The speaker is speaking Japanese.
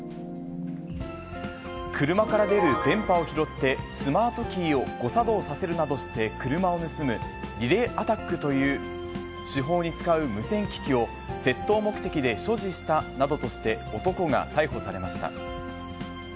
車から出る電波を拾ってスマートキーを誤作動させるなどして車を盗む、リレーアタックという手法に使う無線機器を、窃盗目的で所持したなどとして、男が逮捕されました。